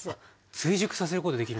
追熟させることできるんですね